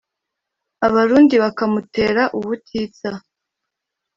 Abarundi bakamutera ubutitsa